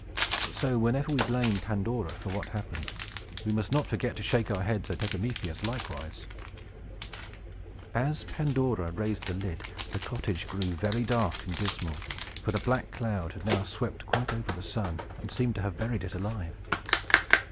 So, whenever we blame Pandora for what happened, we must not forget to shake our heads at Epimetheus likewise. As Pandora raised the lid, the cottage grew very dark and dismal; for the black cloud had now swept quite over the sun, and seemed to have buried it alive.